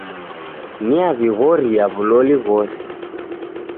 Niaw'ighoria w'uloli ghose